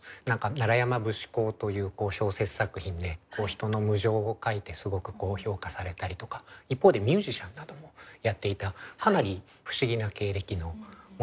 「山節考」という小説作品で人の無情を書いてすごく評価されたりとか一方でミュージシャンなどもやっていたかなり不思議な経歴の持ち主なんですけれど。